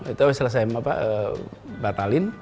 itu setelah saya batalin